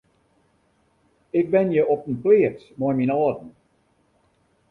Ik wenje op in pleats mei myn âlden.